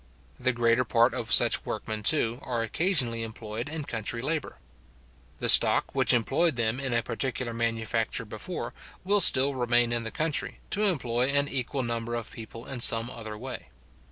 The greater part of such workmen, too, are occasionally employed in country labour. The stock which employed them in a particular manufacture before, will still remain in the country, to employ an equal number of people in some other way.